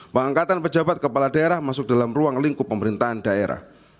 pengangkatan pejabat kepala daerah masuk dalam ruang lingkup pemerintahan daerah